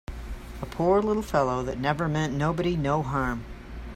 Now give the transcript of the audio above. A poor little fellow that never meant nobody no harm!